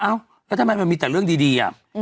แล้วทำไมมันมีแต่เรื่องดีอะ